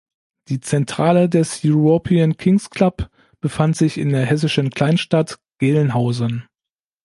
Die Zentrale des European Kings Club befand sich in der hessischen Kleinstadt Gelnhausen.